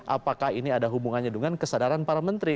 apakah ini ada hubungannya dengan kesadaran para menteri